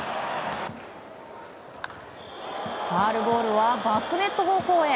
ファウルボールはバックネット方向へ。